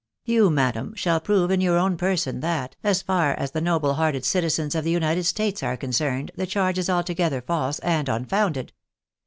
You, madam, shall prove, in your own person, that, as far as the noble hearted citizens of the United States are concerned, the charge is altogether false and unfounded.